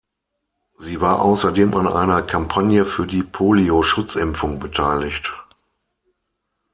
Sie war außerdem an einer Kampagne für die Polio-Schutzimpfung beteiligt.